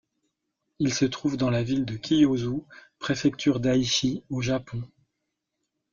Il se trouve dans la ville de Kiyosu, préfecture d'Aichi au Japon.